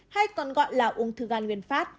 hay còn gọi là ung thư gan nguyên phát